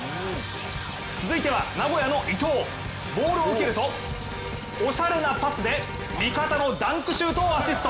続いては、名古屋の伊藤、ボールを受けるとおしゃれなパスで味方のダンクシュートをアシスト。